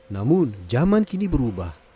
namun zaman kini berubah